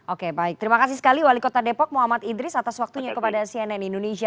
oke baik terima kasih sekali wali kota depok muhammad idris atas waktunya kepada cnn indonesia